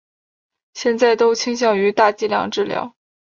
现在都倾向于大剂量治疗。